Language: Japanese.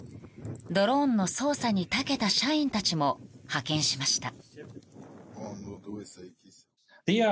ドローンの操作にたけた社員たちも派遣しました。